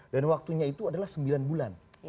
dan waktunya itu adalah sembilan bulan